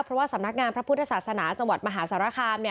เพราะว่าสำนักงานพระพุทธศาสนาจังหวัดมหาสารคาม